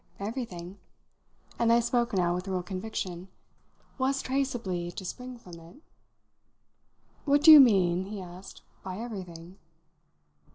Everything" and I spoke now with real conviction "was traceably to spring from it." "What do you mean," he asked, "by everything?"